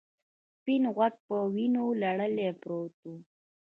سپین غوږ په وینو لړلی پروت و.